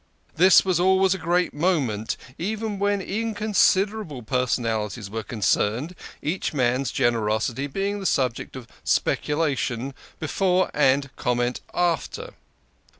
This was always a great moment, even when inconsiderable personalities were concerned, each man's generosity being the subject of speculation before and comment after.